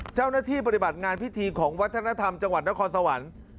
เจ้าหน้าที่ปฏิบัติงานพิธีของวัฒนธรรมจังหวัดนครสวรรค์